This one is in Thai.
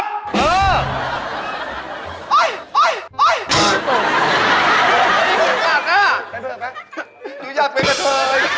เดี๋ยวอยากไปกับเธอ